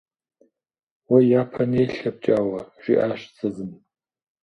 Уэ япэ нелъэ, ПкӀауэ, - жиӀащ ЦӀывым.